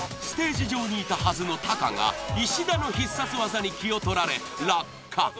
ステージ上にいたはずのタカが石田の必殺技に気を取られ落下。